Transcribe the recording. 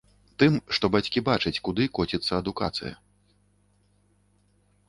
Тым, што бацькі бачаць, куды коціцца адукацыя.